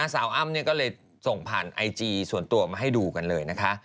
อ้ำก็เลยส่งผ่านไอจีส่วนตัวมาให้ดูกันเลยนะคะ